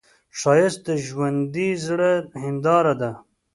ښایست د ژوندي زړه هنداره ده